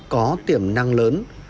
có tiềm năng lớn